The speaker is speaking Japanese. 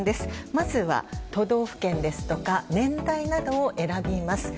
まずは都道府県ですとか年代などを選びます。